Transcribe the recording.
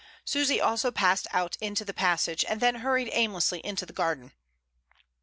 Susy also passed out into the passage, and then hurried aimlessly into the garden.